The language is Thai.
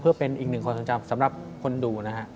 เพื่อเป็นอีกหนึ่งความทรงจำสำหรับคนดูนะฮะ